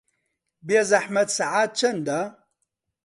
بێزەحمەت سەعات چەندە؟